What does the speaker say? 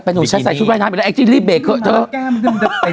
เปล่าหนูใช่ใส่ชุดไว้น้ำแอ็คซินรีบเบกเขาแก้มที่มันจะเป็น